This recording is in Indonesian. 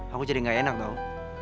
aku jadi gak enak tau